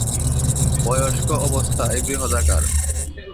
বয়স্ক অবস্থায় বৃহদাকার।